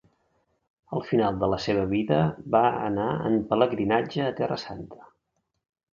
Al final de la seva vida va anar en pelegrinatge a Terra Santa.